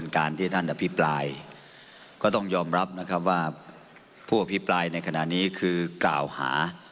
การที่ท่านอภิปรายก็ต้องยอมรับนะครับว่าผู้อภิปรายในขณะนี้คือกล่าวหา